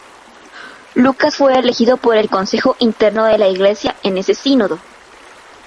Lucas fue elegido para el Consejo Interno de la Iglesia en ese Sínodo.